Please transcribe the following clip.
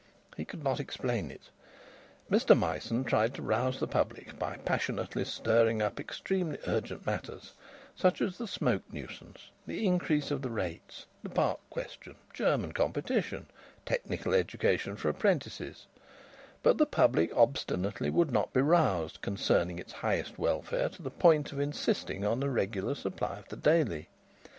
He could not explain it. Mr Myson tried to rouse the public by passionately stirring up extremely urgent matters such as the smoke nuisance, the increase of the rates, the park question, German competition, technical education for apprentices; but the public obstinately would not be roused concerning its highest welfare to the point of insisting on a regular supply of the Daily.